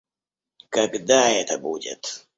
Когда это будет?